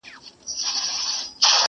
o پر غوولي کوس سندري نه ويل کېږي.